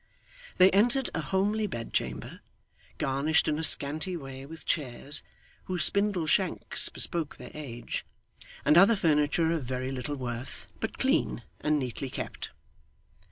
They entered a homely bedchamber, garnished in a scanty way with chairs, whose spindle shanks bespoke their age, and other furniture of very little worth; but clean and neatly kept.